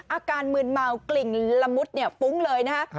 อาการมืนเมากลิ่นละมุดเนี่ยฟุ้งเลยนะฮะ